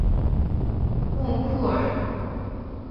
莫库尔。